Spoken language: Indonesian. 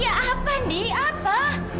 ya apa indi apa